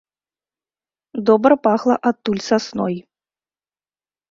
Добра пахла адтуль сасной.